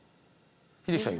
英樹さん